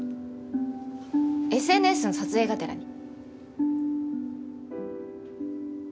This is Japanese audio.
ＳＮＳの撮影がてらに。